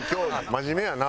真面目やな。